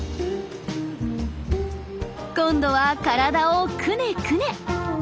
今度は体をくねくね。